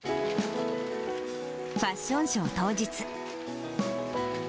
ファッションショー当日。